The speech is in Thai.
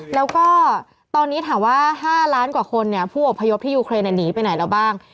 แล้วก็ตอนนี้ถามว่า๕ล้านกว่าคนผู้อพยพที่ยูเครนหนีไปไหนแล้วบ้าง